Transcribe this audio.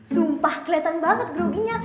sumpah kelihatan banget groginya